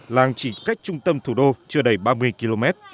làng chỉ cách trung tâm thủ đô chưa đầy ba mươi km